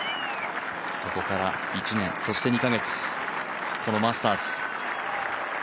そこから１年２カ月、このマスターズ